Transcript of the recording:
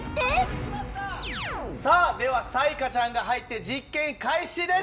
さあでは彩加ちゃんが入って実験開始です。